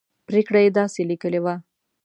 پرېکړه یې داسې لیکلې وه.